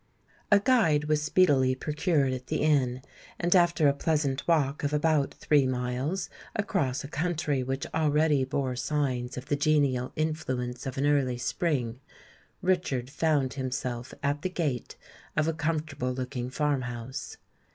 A guide was speedily procured at the inn; and after a pleasant walk of about three miles, across a country which already bore signs of the genial influence of an early spring, Richard found himself at the gate of a comfortable looking farm house.